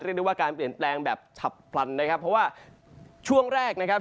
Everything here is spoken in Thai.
เรียกได้ว่าการเปลี่ยนแปลงแบบฉับพลันนะครับเพราะว่าช่วงแรกนะครับ